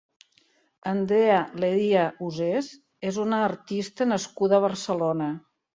Andrea Lería Oses és una artista nascuda a Barcelona.